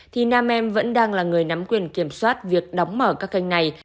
thì nam em vẫn đang là người nắm quyền kiểm soát việc đóng mở các kênh này